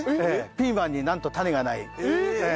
ピーマンになんと種がない。え？